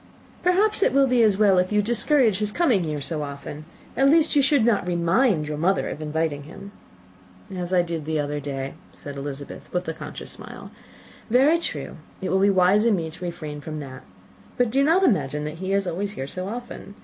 "Perhaps it will be as well if you discourage his coming here so very often. At least you should not remind your mother of inviting him." "As I did the other day," said Elizabeth, with a conscious smile; "very true, it will be wise in me to refrain from that. But do not imagine that he is always here so often.